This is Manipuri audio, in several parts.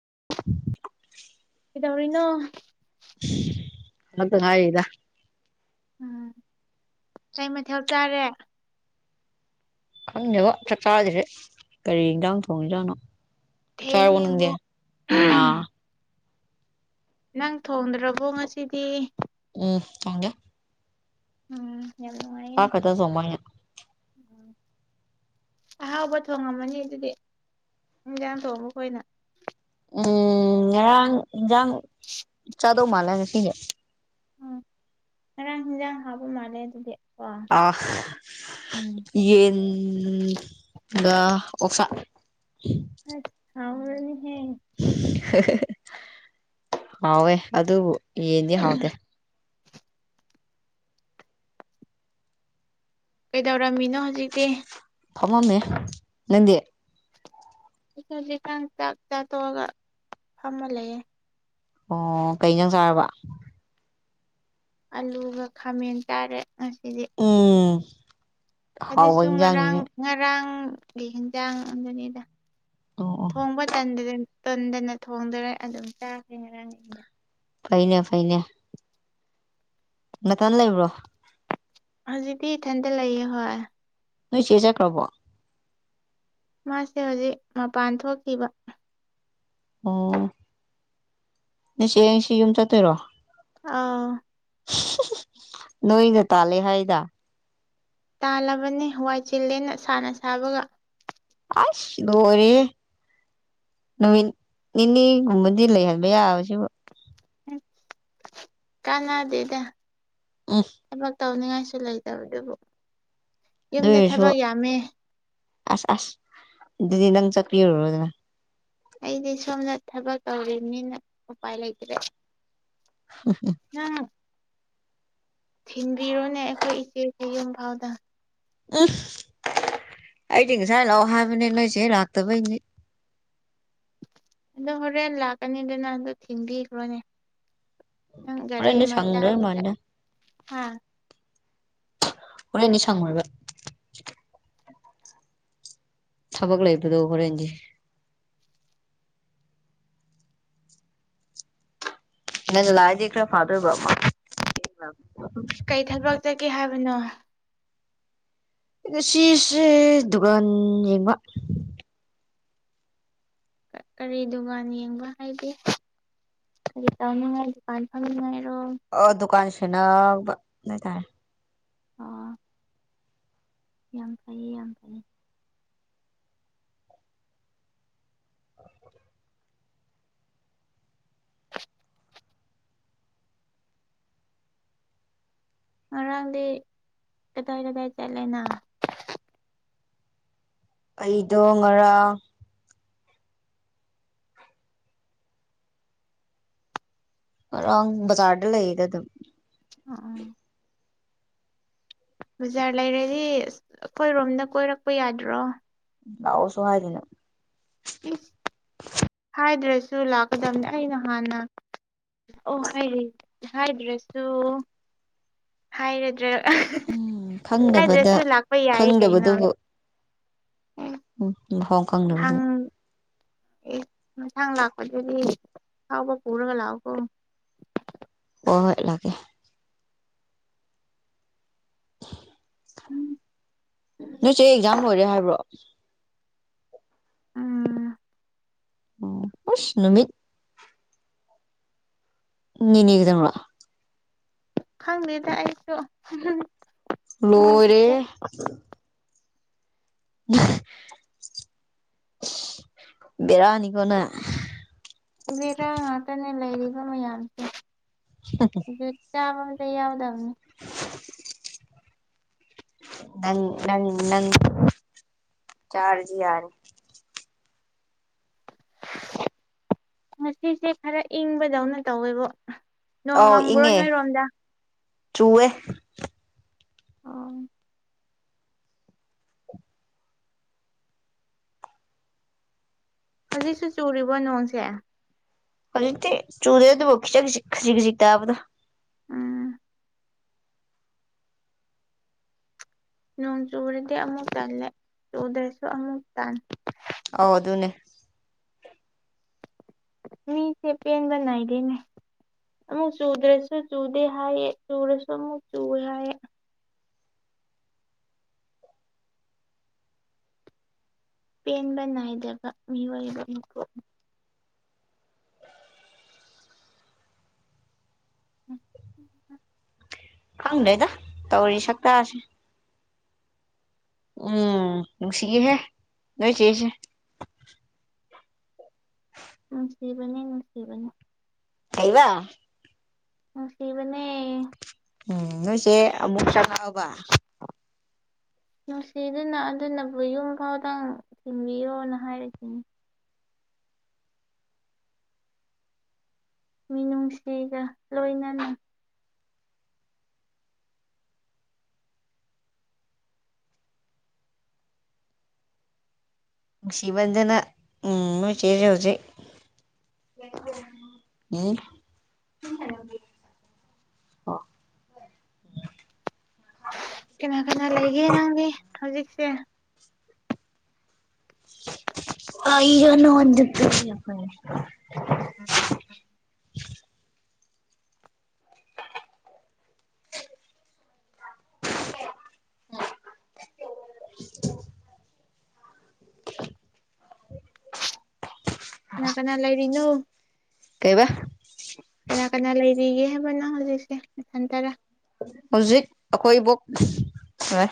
[inaudible] ꯀꯩꯗꯧꯔꯤꯅꯣ ꯍꯜꯂꯛꯇ ꯉꯥꯏꯔꯤꯗ ꯎꯝ ꯀꯩ ꯃꯊꯦꯜ ꯆꯥꯔꯦ ꯈꯪꯗꯦꯕꯣ ꯆꯥꯛ ꯆꯥꯗ꯭ꯔꯦ ꯀꯔꯤ ꯌꯦꯟꯖꯥꯡ ꯊꯣꯡꯉꯤꯖꯥꯠꯅꯣ ꯆꯥꯎꯔꯕꯣ ꯅꯪꯗꯤ ꯊꯦꯡꯉꯦꯕꯨ ꯑꯥ ꯅꯪ ꯊꯣꯡꯗ꯭ꯔꯕꯣ ꯉꯁꯤꯗꯤ ꯎꯝ ꯊꯣꯡꯗꯦ ꯎꯝ ꯌꯥꯝ ꯆꯥꯛ ꯅꯨꯡꯉꯥꯏꯅꯦ ꯈꯇ ꯊꯣꯡꯕ ꯑꯩꯅ ꯑꯍꯥꯎꯕ ꯊꯣꯡꯉꯝꯃꯅꯤ ꯑꯗꯨꯗꯤ ꯅꯨꯃꯤꯗꯥꯡ ꯊꯣꯡꯕ ꯈꯣꯏꯅ ꯎꯝ ꯉꯔꯥꯡ ꯏꯟꯖꯥꯡ ꯆꯥꯗꯧ ꯃꯥꯜꯂꯦ ꯉꯁꯤꯗꯤ ꯎꯝ ꯉꯔꯥꯡ ꯍꯤꯡꯖꯥꯡ ꯍꯥꯎꯕ ꯃꯥꯜꯂꯦ ꯑꯗꯨꯗꯤ ꯀꯣ ꯑꯥꯎ ꯎꯝ ꯌꯦꯟ ꯒ ꯑꯣꯛꯁꯥ ꯍꯁ ꯍꯥꯎꯔꯅꯤꯍꯦ ꯍꯥꯎꯋꯦ ꯑꯗꯨꯕꯨ ꯌꯦꯟꯗꯤ ꯍꯥꯎꯇꯦ ꯀꯩꯗꯧꯔꯝꯃꯤꯅꯣ ꯍꯧꯖꯤꯛꯇꯤ ꯐꯝꯃꯝꯃꯦ ꯅꯪꯗꯤ ꯑꯩꯖꯤꯀꯥꯟ ꯆꯥꯛ ꯆꯥꯊꯣꯛꯑꯒ ꯐꯝꯃ ꯂꯩꯌꯦ ꯑꯣ ꯀꯩ ꯖꯥꯡ ꯆꯥꯔꯕ ꯑꯂꯨꯒ ꯈꯥꯃꯦꯟ ꯆꯥꯔꯦ ꯉꯁꯤꯗꯤ ꯎꯝ ꯍꯥꯎꯕ ꯑꯗꯨꯁꯨ ꯉꯔꯥꯡ ꯏꯟꯖꯥꯡꯅꯤꯅꯦ ꯉꯔꯥꯡꯒꯤ ꯌꯦꯟꯖꯥꯡ ꯑꯗꯨꯅꯤꯗ ꯑꯣ ꯑꯣ ꯊꯣꯡꯕ ꯇꯟꯗꯗꯟ ꯇꯟꯗꯅ ꯊꯣꯡꯗ꯭ꯔꯦ ꯑꯗꯨꯝ ꯆꯥꯈ꯭ꯔꯦ ꯉꯔꯥꯡ ꯑꯩꯅ ꯐꯩꯅꯦ ꯐꯩꯅꯦ ꯅꯇꯟ ꯂꯩꯕ꯭ꯔꯣ ꯍꯧꯖꯤꯛꯗꯤ ꯏꯊꯟꯇ ꯂꯩꯌꯦ ꯍꯣꯏ ꯅꯣꯏ ꯆꯦ ꯆꯠꯈ꯭ꯔꯕꯣ ꯃꯥꯁꯦ ꯍꯧꯖꯤꯛ ꯃꯄꯥꯟ ꯊꯣꯛꯈꯤꯕ ꯑꯣ ꯅꯣꯏ ꯆꯦ ꯉꯁꯤ ꯌꯨꯝ ꯆꯠꯇꯣꯏꯔꯣ ꯑꯥ ꯅꯣꯏꯒ ꯇꯥꯜꯂꯦ ꯍꯥꯏꯗ ꯇꯥꯜꯂꯕꯅꯤ ꯋꯥꯏ ꯆꯤꯜꯂꯦꯅ ꯁꯥꯥꯅ ꯁꯥꯕꯒ ꯂꯣꯏꯔꯦꯍꯦ ꯅꯨꯃꯤꯠ ꯅꯤꯅꯤꯒꯨꯝꯕꯗꯤ ꯂꯩꯍꯟꯕ ꯌꯥꯕꯁꯤꯕꯨ ꯀꯥꯟꯅꯗꯦꯗ ꯊꯕꯛ [unintelligible] ꯇꯧꯅꯤꯡꯉꯥꯏꯁꯨ ꯂꯩꯇꯕꯗꯨꯕꯨ ꯌꯨꯝꯗ ꯑꯗꯨꯑꯣꯏꯁꯨ ꯊꯕꯛ ꯌꯥꯝꯃꯦ ꯑꯁ ꯑꯁ ꯑꯗꯨꯗꯤ ꯅꯪ ꯆꯠ ꯄꯤꯔꯨꯔꯣ ꯗꯅ ꯑꯩꯗꯤ ꯁꯣꯝꯅ ꯊꯕꯛ ꯇꯧꯔꯤꯝꯅꯤꯅ ꯎꯄꯥꯏ ꯂꯩꯇ꯭ꯔꯦ ꯅꯪ ꯊꯤꯟꯕꯤꯔꯣꯅꯦ ꯑꯩꯈꯣꯏ ꯏꯆꯦꯁꯦ ꯌꯨꯝꯐꯥꯎꯗ [unintelligible] ꯑꯩꯗꯤ ꯉꯁꯥꯏ ꯂꯥꯎ ꯍꯥꯏꯕꯅꯦ ꯅꯣꯏꯆꯦ ꯂꯥꯛꯇꯕꯩꯅꯤ ꯅꯪ ꯍꯣꯔꯦꯟ ꯂꯥꯛꯀꯅꯤꯗꯅ ꯑꯗꯨ ꯊꯤꯡꯕꯤꯈ꯭ꯔꯣꯅꯦ ꯅꯪ ꯒꯥꯔꯤ ꯍꯣꯔꯦꯟꯗꯤ ꯁꯪꯗꯣꯏ ꯃꯆꯥꯗꯨꯗ ꯃꯥꯟꯗꯦ ꯍꯥ ꯍꯣꯔꯦꯟꯗꯤ ꯁꯪꯉꯣꯏꯕ ꯊꯕꯛ ꯂꯩꯕꯗꯣ ꯍꯣꯔꯦꯟꯗꯤ ꯉꯟꯅ ꯂꯥꯑꯗꯤ ꯈ꯭ꯔ ꯐꯥꯗꯣꯏꯕ ꯃ ꯊꯦꯡꯅ ꯀꯩ ꯊꯕꯛ ꯆꯠꯀꯦ ꯍꯥꯏꯕꯅꯣ ꯉꯁꯤꯁꯦ ꯗꯨꯀꯥꯟ ꯌꯦꯡꯕ ꯀꯔꯤ ꯗꯨꯀꯥꯟ ꯌꯦꯡꯕ ꯍꯥꯏꯗꯤ ꯀꯔꯤ ꯇꯧꯅꯤꯡꯉꯥꯏ ꯗꯨꯀꯥꯟ ꯐꯝꯅꯤꯡꯉꯥꯏ ꯑꯥ ꯗꯨꯀꯥꯟ ꯁꯦꯟꯅꯕ ꯅꯩꯇꯥꯏ ꯑꯣ ꯌꯥꯝ ꯐꯩꯌꯦ ꯌꯥꯝ ꯐꯩꯌꯦ ꯉꯔꯥꯡꯗꯤ ꯀꯗꯥꯥꯏ ꯀꯗꯥꯥꯏ ꯆꯠꯂꯦꯅ ꯑꯩꯗꯣ ꯉꯔꯥꯡ ꯉꯥꯔꯥꯡ ꯕꯖꯔꯗ ꯂꯩꯗ ꯑꯗꯨꯝ ꯑ ꯕꯖꯥꯔ ꯂꯩꯔꯗꯤ ꯑꯁ ꯑꯩꯈꯣꯏꯔꯣꯝꯗ ꯀꯣꯏꯔꯛꯄ ꯌꯥꯗ꯭ꯔꯣ ꯂꯥꯛꯑꯣꯁꯨ ꯍꯥꯏꯗꯅ ꯏꯁ ꯍꯥꯏꯗ꯭ꯔꯁꯨ ꯂꯥꯛꯀꯗꯝꯕꯅꯦ ꯑꯩꯅ ꯍꯥꯟꯅ ꯑꯣ ꯍꯥꯢꯔꯤ ꯍꯥꯏꯗ꯭ꯔꯁꯨ ꯍꯥꯏꯔꯗ꯭ꯔ ꯎꯝ ꯈꯪꯗꯕꯗ ꯍꯥꯏꯗ꯭ꯔꯁꯨ ꯂꯥꯛꯄ ꯌꯥꯏꯌꯦ ꯀꯩꯅꯣ ꯈꯪꯗꯕꯗꯨꯕꯨ ꯎꯝ [unintelligible] ꯈꯪꯗꯕꯗꯣ ꯑꯦ ꯏꯟꯁꯥꯡ ꯂꯥꯛꯄꯗꯨꯗꯤ ꯍꯥꯎꯕ ꯄꯨꯔꯒ ꯂꯥꯛꯑꯣꯀꯣ ꯍꯣꯏ ꯍꯣꯢ ꯂꯥꯛꯀꯦ ꯅꯣꯏ ꯆꯦ ꯑꯦꯛꯖꯥꯝ ꯂꯣꯏꯔꯦ ꯍꯥꯏꯕ꯭ꯔꯣ ꯎꯝ ꯎꯁ ꯅꯨꯃꯤꯠ ꯍꯨꯝꯅꯤꯒꯤꯗꯃꯛ ꯈꯪꯗꯦꯗ ꯑꯩꯁꯨ ꯃꯣꯏꯒꯤꯁꯦ ꯂꯣꯏꯔꯦꯍꯦ ꯕꯦꯔꯅꯤꯀꯣ ꯅꯪ ꯕꯦꯔꯥ ꯉꯥꯛꯇꯅ ꯂꯩꯔꯤꯕ ꯃꯌꯥꯝꯁꯦ ꯁꯤꯗ ꯆꯥꯕ ꯌꯥꯎꯗꯝꯅꯤ ꯅꯪ ꯅꯪ ꯅ ꯆꯥꯔꯁꯨ ꯌꯥꯔꯦ ꯉꯁꯤꯁꯦ ꯈꯔ ꯏꯪꯕꯗꯧꯅ ꯇꯧꯋꯦꯕꯣ ꯅꯣꯡ ꯑꯧ ꯃꯪꯕ꯭ꯔꯣ ꯏꯪꯉꯦ ꯅꯣꯏꯔꯣꯝꯗ ꯆꯨꯋꯦ ꯑꯣ ꯍꯧꯖꯤꯛꯁꯨ ꯆꯨꯔꯤꯕꯣ ꯅꯣꯡꯁꯦ ꯍꯧꯖꯤꯛꯇꯤ ꯆꯨꯗꯦ ꯑꯗꯨꯕꯨ ꯈꯖꯤꯛ ꯈꯖꯤꯛ ꯇꯕꯗꯣ ꯎꯝ ꯅꯣꯡ ꯆꯨꯔꯗꯤ ꯑꯃꯨꯛ ꯇꯜꯂꯦ ꯆꯨꯗ꯭ꯔꯁꯨ ꯑꯃꯨꯛ ꯇꯟ ꯑꯧ ꯑꯗꯨꯅꯦ ꯃꯤꯁꯦ ꯄꯦꯟꯕꯅꯥꯏꯗꯦꯅꯦ ꯑꯃꯨꯛ ꯆꯨꯗ꯭ꯔꯁꯨ ꯆꯨꯗꯦ ꯍꯥꯏꯌꯦ ꯆꯨꯔꯁꯨ ꯑꯃꯨꯛ ꯆꯨꯋꯦ ꯍꯥꯏꯌꯦ ꯄꯦꯟꯕ ꯅꯥꯏꯗꯦꯕ ꯃꯤꯑꯣꯏꯕ ꯑꯩꯈꯣꯏ ꯎꯝ ꯈꯪꯗꯦꯗ ꯇꯧꯔꯤ ꯁꯛꯇꯥꯁꯦ ꯎꯝ ꯅꯨꯡꯁꯤꯍꯦ ꯅꯣꯏ ꯆꯦꯁꯦ ꯅꯨꯡꯁꯤꯕꯅꯦ ꯅꯨꯡꯁꯤꯕꯅꯦ ꯀꯩꯕ ꯅꯨꯡꯁꯤꯕꯅꯦ ꯎꯝ ꯅꯣꯏꯆꯦ ꯑꯃꯨꯛ ꯆꯪꯉꯛꯑꯕ ꯅꯨꯡꯁꯤꯗꯨꯅ ꯑꯗꯨꯅꯕꯨ ꯌꯨꯝ ꯐꯥꯎꯗꯡ ꯊꯤꯟꯕꯤꯌꯣꯅ ꯍꯥꯏꯔꯤꯁꯤꯅꯤ ꯃꯤꯅꯨꯡꯁꯤꯒ ꯂꯣꯏꯅꯅ ꯅꯨꯡꯁꯤꯃꯟꯗꯅ ꯎꯝ ꯅꯣꯏꯆꯦꯁꯦ ꯍꯧꯖꯤꯛ ꯎꯝ ꯑꯣ ꯀꯅꯥ ꯀꯅꯥ ꯂꯩꯒꯦ ꯅꯪꯗꯤ ꯍꯧꯖꯤꯛꯁꯦ [inaudible] ꯎꯝ [inaudible] [inaudible] ꯀꯅꯥ ꯀꯅꯥ ꯂꯩꯔꯤꯅꯣ ꯀꯩꯕ ꯀꯅꯥ ꯀꯅꯥ ꯂꯩꯔꯤ ꯂꯩꯔꯤꯌꯦ ꯍꯥꯏꯕ ꯅꯪ ꯅꯊꯟꯇꯔꯥ ꯍꯧꯖꯤꯛ ꯑꯩꯈꯣꯏꯕꯨ ꯂꯣꯏꯔꯦ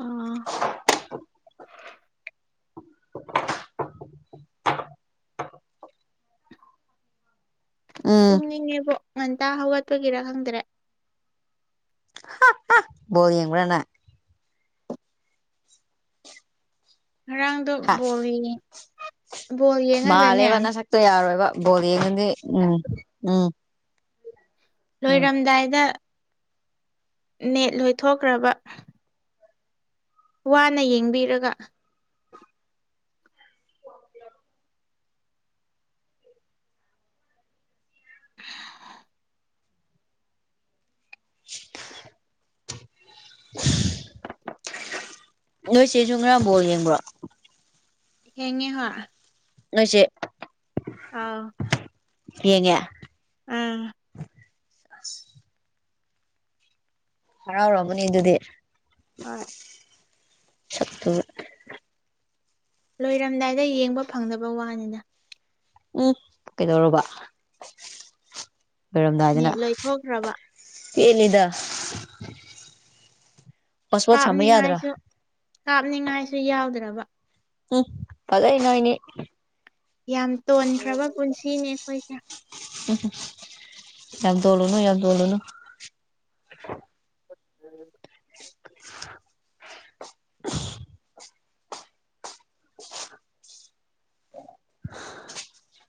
ꯑꯥ [inaudible] ꯎꯝ ꯇꯨꯝꯅꯤꯡꯉꯦꯕꯣ ꯉꯟꯇ ꯍꯧꯒꯠꯄꯒꯤꯔ ꯈꯪꯗ꯭ꯔꯦ ꯕꯣꯜ ꯌꯦꯡꯕꯔꯥ ꯅꯪ ꯉꯔꯥꯡꯗꯣ ꯍꯥ ꯕꯣꯜ ꯌꯦꯡꯉꯦ ꯃꯥꯜꯂꯦꯕ ꯅꯁꯛꯇꯣ ꯌꯥꯔꯣꯏꯕ ꯕꯣꯜ ꯌꯦꯡꯉꯗꯤ ꯎꯝ ꯎꯝ ꯎꯝ ꯂꯣꯏꯔꯝꯗꯥꯏꯗ ꯅꯦꯠ ꯂꯣꯏꯊꯣꯛꯈ꯭ꯔꯕ ꯋꯥꯅ ꯌꯦꯡꯕꯤꯔꯒ [inaudible] ꯅꯣꯏ ꯆꯦꯁꯨ ꯉꯔꯥꯡ ꯕꯣꯜ ꯌꯦꯡꯕ꯭ꯔꯣ ꯌꯦꯡꯉꯦ ꯍꯣꯏ ꯅꯣꯏ ꯆꯦ ꯑꯥ ꯌꯦꯡꯉꯦ ꯑꯪ ꯍꯔꯥꯎ ꯔꯝꯃꯅꯤ ꯑꯗꯨꯗꯤ ꯍꯣꯏ ꯁꯛꯇꯨꯒ ꯂꯣꯏꯔꯝꯗꯥꯏꯗ ꯌꯦꯡꯕ ꯐꯪꯗꯕ ꯋꯥꯅꯤꯗ ꯎꯝ ꯀꯩꯗꯧꯔꯕ ꯂꯣꯏꯔꯝꯗꯥꯏꯗꯅ ꯅꯦꯠ ꯂꯣꯏꯊꯣꯛꯈ꯭ꯔꯕ ꯄꯦꯜꯂꯤꯗ ꯄꯥꯁꯄꯣꯔꯠ ꯁꯝꯕ ꯌꯥꯗ꯭ꯔꯥ ꯀꯥꯞꯅꯤꯡꯉꯥꯏꯁꯨ ꯀꯥꯞꯅꯤꯡꯉꯥꯏꯁꯨ ꯌꯥꯎꯗ꯭ꯔꯕ ꯎꯝ ꯐꯖꯩ ꯅꯣꯏꯅꯤ ꯌꯥꯝ ꯇꯣꯟꯈ꯭ꯔꯕ ꯄꯨꯟꯁꯤꯅꯦ ꯑꯩꯈꯣꯏꯁꯦ ꯌꯥꯝ ꯇꯣꯜꯂꯨꯅꯨ ꯌꯥꯝ ꯇꯣꯜꯂꯨꯅꯨ [inaudible] [inaudible]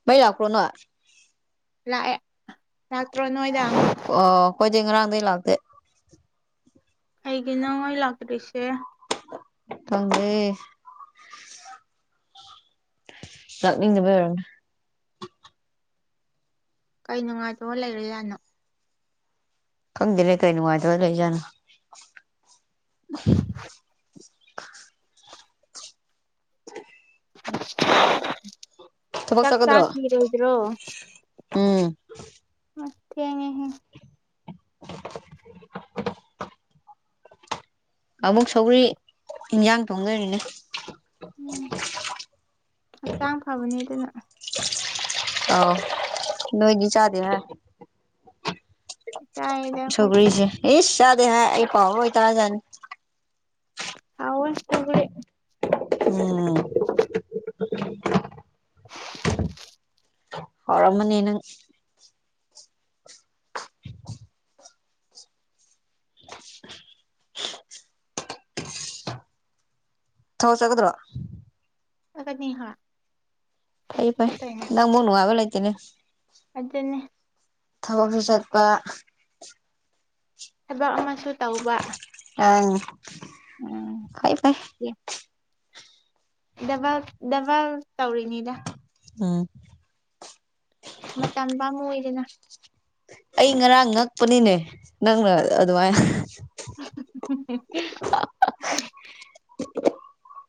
ꯃꯩ ꯂꯥꯛꯄ꯭ꯔꯣ ꯅꯣꯏ ꯂꯥꯛꯑ ꯂꯥꯛꯇ꯭ꯔꯣ ꯅꯣꯏꯗ ꯀꯑꯩꯈꯣꯏꯗꯤ ꯉꯔꯥꯡꯗꯩ ꯂꯥꯛꯇꯦ ꯀꯩꯒꯤꯅꯣ ꯃꯩ ꯂꯥꯛꯇꯔꯤꯁꯦ ꯈꯪꯗꯦ ꯂꯥꯛꯅꯤꯡꯗꯕꯩ ꯑꯣꯏꯔꯝꯅꯤ ꯀꯩ ꯅꯨꯡꯉꯥꯏꯇꯕ ꯂꯩꯔ ꯖꯥꯠꯅꯣ ꯈꯪꯗꯦꯅꯦ ꯀꯩ ꯅꯨꯡꯉꯥꯏꯇꯕ ꯂꯩꯖꯥꯠꯅꯣ [inaudible] [inaudible] ꯊꯕꯛ ꯆꯥꯛ ꯆꯠꯀꯗ꯭ꯔꯣ ꯆꯥꯈꯤꯔꯣꯏꯗ꯭ꯔꯣ ꯎꯝ ꯊꯦꯡꯉꯦꯍꯦ [inaudible] ꯑꯃꯨꯛ ꯁꯧꯒꯔꯤ ꯏꯟꯖꯥꯡ ꯊꯣꯡꯗꯣꯏꯔꯤꯅꯦ ꯎꯝ ꯍꯛꯆꯥꯡ ꯐꯕꯅꯦ ꯑꯗꯨꯅ ꯑꯧ ꯅꯣꯏꯗ ꯆꯥꯗꯦꯍ ꯆꯥꯏꯌꯦꯗ ꯑꯩꯈꯣꯏꯁꯨ ꯁꯧꯒ꯭ꯔꯤꯁꯦ ꯏꯁ ꯆꯥꯗꯦ ꯍꯥꯏ ꯑꯩ ꯄꯥꯎ ꯂꯣꯏ ꯇꯥꯖꯥꯅꯤ ꯍꯥꯎꯋꯦ ꯁꯧꯒꯔꯤ ꯎꯝ [inaudible] [inaudible] ꯍꯥꯎꯔꯝꯃꯅꯤ ꯅꯪ ꯊꯕꯛ ꯆꯠꯒꯗ꯭ꯔꯣ ꯆꯠꯀꯅꯤ ꯍꯥꯥ ꯐꯩ ꯐꯩ ꯅꯪ ꯃꯨꯛ ꯅꯨꯡꯉꯥꯏꯕ ꯂꯩꯇꯦꯅꯦ ꯑꯗꯨꯅꯦ ꯊꯕꯛꯁꯨ ꯆꯠꯄ ꯊꯕꯛ ꯑꯃꯥ ꯁꯨ ꯇꯧꯕ ꯑꯪ ꯎꯝ ꯐꯩ ꯐꯩ ꯗꯕꯜ ꯗꯕꯜ ꯇꯧꯔꯤꯅꯤꯗ ꯎꯝ ꯃꯇꯝ ꯄꯥꯝꯃꯨꯏꯗꯅ ꯑꯩ ꯉꯔꯥꯡ ꯉꯛꯄꯅꯤꯅꯦ ꯅꯪꯅ ꯑꯗꯨꯃꯥꯏ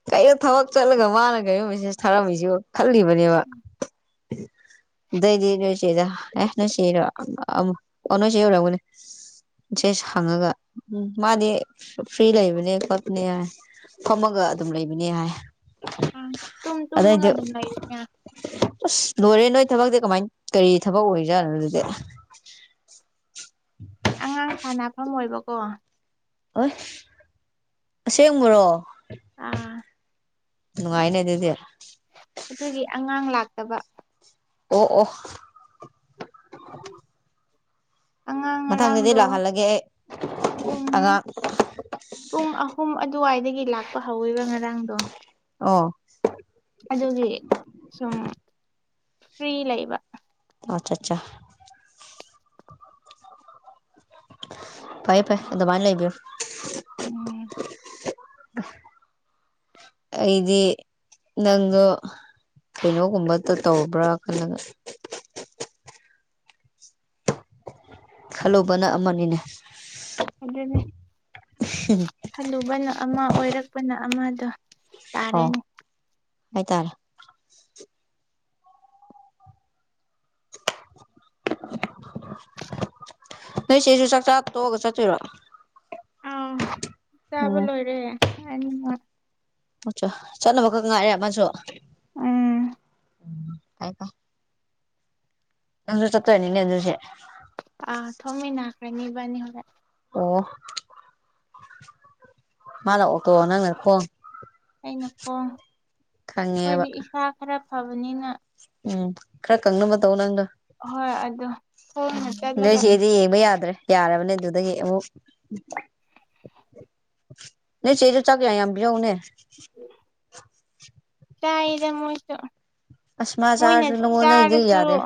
ꯀꯩꯅꯣ ꯊꯕꯛ ꯆꯠꯂꯒ ꯃꯥꯅ ꯀꯩꯅꯣ ꯃꯦꯁꯦꯖ ꯊꯥꯔꯝꯃꯤꯁꯤꯕꯨ ꯈꯜꯂꯤꯕꯅꯦꯕ ꯑꯗꯩꯗꯤ ꯅꯣꯏ ꯆꯦꯗ ꯑꯦ ꯅꯣꯏ ꯆꯦꯔꯣ ꯑꯣ ꯅꯣꯏ ꯆꯦ ꯑꯣꯏꯔꯝꯒꯅꯤ ꯖꯦꯁ ꯍꯪꯉꯒ ꯃꯥꯗꯤ ꯐ꯭ꯔꯤ ꯂꯩꯕꯅꯦ ꯈꯣꯠꯄꯅꯦ ꯍꯥꯏ ꯐꯝꯃꯒ ꯑꯗꯨꯝ ꯂꯩꯕꯅꯦ ꯍꯥꯏ ꯇꯨꯝ ꯇꯨꯝꯃꯒ ꯑꯗꯥꯏꯗꯨ ꯑꯗꯨꯝ ꯂꯩꯔꯤꯅꯦ ꯑꯁ ꯂꯣꯢꯔꯦ ꯅꯣꯢ ꯊꯕꯛꯇꯤ ꯀꯃꯥꯏ ꯀꯔꯤ ꯊꯕꯛ ꯑꯣꯏꯔꯤꯖꯥꯠꯅꯣ ꯑꯗꯨꯗꯤ ꯑꯉꯥꯡ ꯁꯥꯟꯅꯐꯝ ꯑꯣꯏꯕꯀꯣ ꯑꯁ ꯑꯁꯦꯡꯕꯔꯣ ꯑꯥ ꯅꯨꯡꯉꯥꯢꯅꯦ ꯑꯗꯨꯗꯤ ꯇꯕ ꯑꯣ ꯑꯣ ꯑꯉꯥꯡ ꯃꯊꯪꯗꯗꯤ ꯉꯔꯥꯡꯗꯣ ꯂꯥꯛꯍꯜꯂꯒꯦ ꯑꯩ ꯄꯨꯡ ꯑꯉꯥꯡ ꯄꯨꯡ ꯑꯍꯨꯝ ꯑꯗꯨꯋꯥꯏꯗꯒꯤ ꯒꯤ ꯂꯥꯛꯄ ꯍꯧꯋꯦꯕ ꯉꯔꯥꯡꯗꯣ ꯑꯣ ꯑꯗꯨꯒꯤ ꯁꯨꯝ ꯐ꯭ꯔꯤ ꯂꯩꯕ ꯑꯣꯆꯥ ꯆꯥ ꯐꯩ ꯐꯩ ꯑꯗꯨꯃꯥꯢꯟ ꯂꯩꯕꯤꯌꯣ ꯎꯝ ꯑꯩꯗꯤ ꯅꯪꯗꯣ ꯀꯩꯅꯣꯒꯨꯝꯕꯗ ꯇꯣ ꯇꯧꯕ꯭ꯔꯥ ꯈꯜꯂꯒ ꯈꯜꯂꯨꯕꯅ ꯑꯃꯅꯤꯅꯦ ꯑꯗꯨꯅꯦ ꯈꯜꯂꯨꯕꯅ ꯑꯃ ꯑꯣꯏꯔꯛꯄꯅ ꯑꯃ ꯑꯣ ꯍꯥꯏ ꯇꯔꯦ [inaudible] ꯅꯣꯏ ꯆꯦꯁꯨ ꯆꯥꯛꯆꯥ ꯇꯣꯛꯑꯒ ꯆꯠꯇꯣꯏꯔꯣ ꯑꯧ ꯆꯥꯕ ꯑꯣ ꯂꯣꯏꯔꯦ [unintelligible] [unintelligible] ꯆꯠꯅꯕꯈꯛ ꯉꯥꯏꯔꯦ ꯃꯥꯁꯨ ꯎꯝ ꯎꯝ ꯇꯥꯏꯀꯣ ꯅꯪꯁꯨ ꯆꯠꯇꯣꯢꯅꯤꯅꯦ ꯑꯗꯨꯁꯤ ꯑ ꯊꯣꯡꯃꯤꯅꯈ꯭ꯔꯅꯤ ꯢꯕꯥꯅꯤ ꯍꯣꯔꯦꯟ ꯑꯣ ꯃꯥ ꯑꯣꯛꯇꯣ ꯅꯪꯅ ꯈꯣꯡ ꯑꯩꯅ ꯈꯣꯡ ꯈꯪꯉꯦꯕ ꯑꯩꯈꯣꯏꯗꯤ ꯏꯁꯥ ꯈꯔ ꯐꯕꯅꯤꯅ ꯎꯝ ꯈꯔ ꯀꯪꯅꯕ ꯇꯧ ꯅꯪꯗꯣ ꯍꯣꯏ ꯑꯗꯣ ꯈꯣꯡꯅ ꯅꯣꯏ ꯆꯠꯂꯒ ꯁꯤꯗꯤ ꯌꯦꯡꯕ ꯌꯥꯗ꯭ꯔꯦ ꯌꯥꯔꯕꯅꯦ ꯑꯗꯨꯗꯒꯤ ꯑꯃꯨꯛ ꯅꯣꯢ ꯆꯦꯗꯨ ꯆꯥꯛ ꯌꯥ ꯌꯥꯝ ꯄꯤꯖꯧꯅꯦ ꯆꯥꯏꯗ ꯃꯣꯏꯁꯨ ꯑꯁꯃꯥ ꯃꯣꯏꯅ ꯆꯥꯔꯁꯨ ꯅꯪꯉꯣꯟꯗꯩꯗꯤ ꯌꯥꯗꯦ ꯆꯥꯔꯁꯨ